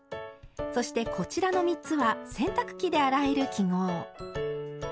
そしてこちらの３つは洗濯機で洗える記号。